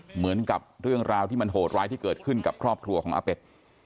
เหมือนกับเรื่องราวที่มันโหดร้ายที่เกิดขึ้นกับครอบครัวของอาเป็ด